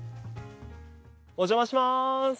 お邪魔します。